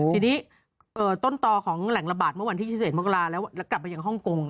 ทีนี้ต้นต่อของแหล่งระบาดเมื่อวันที่๒๑มกราแล้วกลับไปยังฮ่องกง